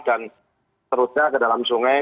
dan terusnya ke dalam sungai